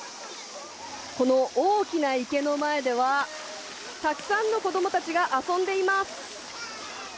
この大きな池の前ではたくさんの子供たちが遊んでいます。